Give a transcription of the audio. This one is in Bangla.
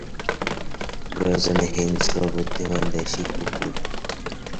প্রয়োজনে হিংস্র, বুদ্ধিমান দেশী কুকুর।